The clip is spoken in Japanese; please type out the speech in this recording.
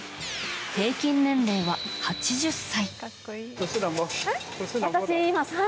平均年齢は８０歳。